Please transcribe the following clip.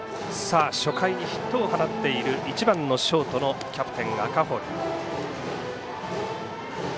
初回にヒットを放っている１番ショートのキャプテン、赤堀。